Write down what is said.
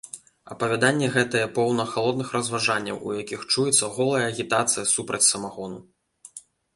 Апавяданне гэтае поўна халодных разважанняў, у якіх чуецца голая агітацыя супраць самагону.